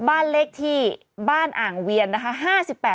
บ้านเลขที่บ้านอ่างเวียนนะคะ